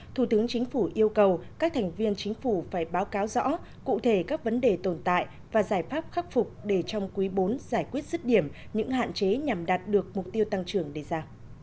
thủ tướng chính phủ yêu cầu các thành viên chính phủ phải báo cáo rõ cụ thể các vấn đề tồn tại và giải pháp khắc phục để trong quý bốn giải quyết rứt điểm những hạn chế nhằm đạt được mục tiêu tăng trưởng đề ra